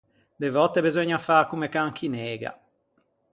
De vòtte beseugna fâ comme can chi nega.